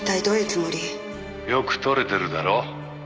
「よく撮れてるだろ。